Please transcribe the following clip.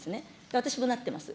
私もなってます。